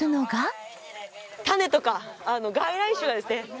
種とか外来種がですね